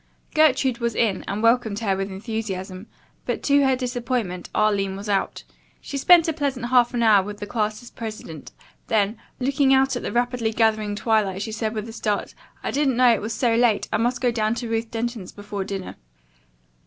Gertrude was in and welcomed her with enthusiasm, but, to her disappointment, Arline was out. She spent a pleasant half hour with 19 's president, then, looking out at the rapidly gathering twilight, said with a start: "I didn't know it was so late. I must go down to Ruth Denton's before dinner."